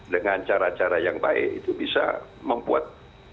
dengan cara cara yang baik itu bisa membuat